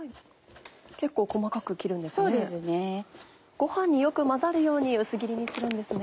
ごはんによく混ざるように薄切りにするんですね。